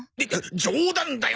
冗談だよ！